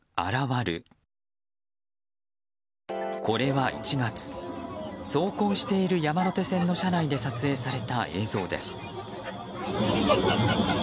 これは１月走行している山手線の車内で撮影された映像です。